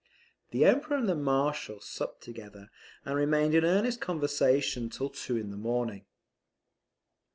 The Emperor and the Marshal supped together, and remained in earnest conversation till two in the morning.